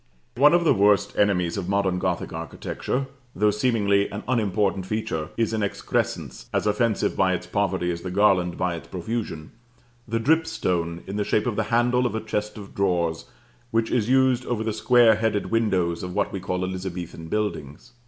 One of the worst enemies of modern Gothic architecture, though seemingly an unimportant feature, is an excrescence, as offensive by its poverty as the garland by its profusion, the dripstone in the shape of the handle of a chest of drawers, which is used over the square headed windows of what we call Elizabethan buildings.